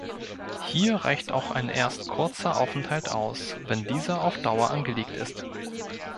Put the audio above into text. Hier reicht auch ein erst kurzer Aufenthalt aus, wenn dieser auf Dauer angelegt ist.